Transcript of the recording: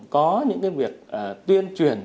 có những việc tuyên truyền